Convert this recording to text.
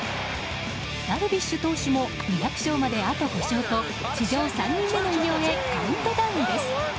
ダルビッシュ投手も２００勝まであと５勝と史上３人目の偉業へカウントダウンです。